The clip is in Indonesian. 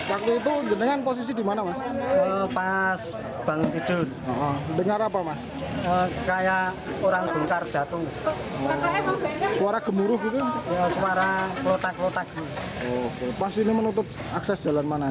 akibat kejadian tersebut warga yang sehari hari melintas di jalur utama